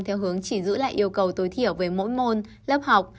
theo hướng chỉ giữ lại yêu cầu tối thiểu về mỗi môn lớp học